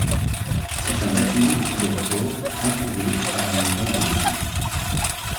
C’est un bâtiment de couleur or, entouré par un étang de lotus.